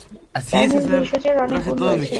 Chinese ভেষজের অনেক গুণ রয়েছে।